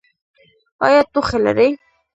ایا ټوخی لرئ؟